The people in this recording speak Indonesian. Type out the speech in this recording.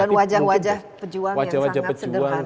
dan wajah wajah pejuang yang sangat sederhana